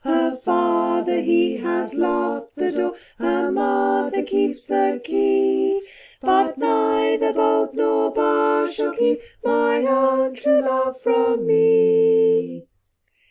Her father he has locked the door, Her mother keeps the key; But neither bolt nor bar shall keep My own true love from me."